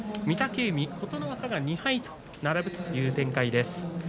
御嶽海と琴ノ若は２敗で並ぶという展開です。